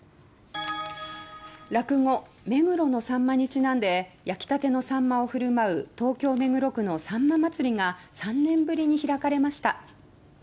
落語「目黒のさんま」にちなんで焼きたてのサンマを振る舞う東京・目黒区のさんま祭が３年ぶりに開かれました。